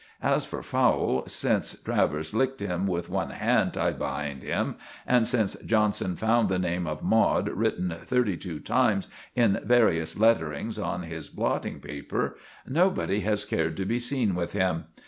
As for Fowle, since Travers licked him with one hand tied behind him, and since Johnson found the name of 'Maude' written thirty two times in various letterings on his blotting paper, nobody has cared to be seen with him.